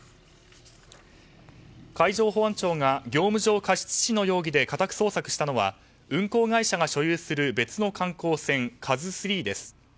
海上保安庁が業務上過失致死の容疑で家宅捜索したのは運航会社が所有する別の観光船「ＫＡＺＵ３」です。